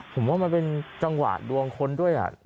ผมว่ามันเป็นจังหวะดวงคนด้วย